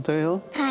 はい。